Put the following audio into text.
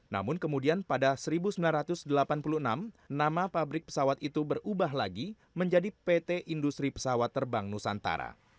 namun kemudian pada seribu sembilan ratus delapan puluh enam nama pabrik pesawat itu berubah lagi menjadi pt industri pesawat terbang nusantara